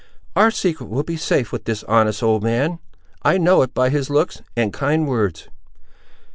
"Our secret will be safe, with this honest old man. I know it by his looks, and kind words."